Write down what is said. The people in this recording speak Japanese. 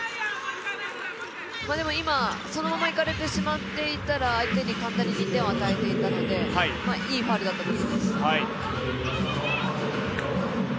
今、そのまま行かれてしまっていたら相手に簡単に２点を与えていたのでいいファウルだったと思います。